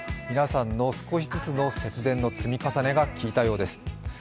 皆さんの少しずつの節電の積み重ねが効いたようです。